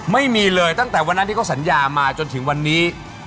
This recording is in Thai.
ไม่มีเลยตั้งแต่วันนั้นที่เขาสัญญามาจนถึงวันนี้